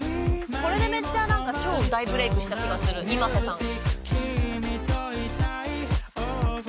「これでめっちゃ超大ブレークした気がするｉｍａｓｅさん」